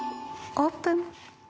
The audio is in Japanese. オープン。